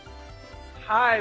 はい。